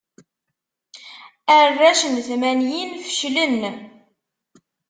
Arrac n tmanyin feclen.